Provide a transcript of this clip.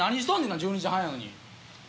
１２時半やのに。